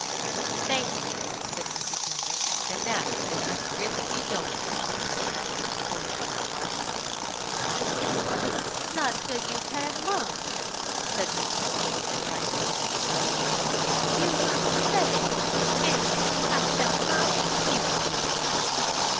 "Thank you," said Mrs. Munger. "And now we must really be going," she added, pulling out her watch by its leathern guard. "Not till you've had lunch," said Mrs. Wilmington, rising with the ladies. "You must stay. Annie, I shall not excuse you."